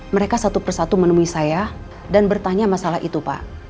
mereka satu persatu menemui saya dan bertanya masalah itu pak